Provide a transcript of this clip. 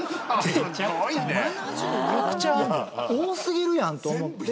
いや多過ぎるやんと思って。